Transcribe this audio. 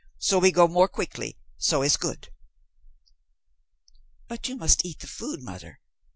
So we go more quickly. So is good." "But you must eat the food, mother.